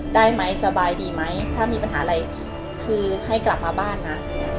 ได้ไหมสบายดีไหมถ้ามีปัญหาอะไรคือให้กลับมาบ้านนะ